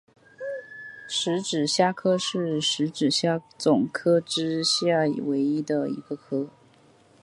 匙指虾科是匙指虾总科之下唯一的一个科。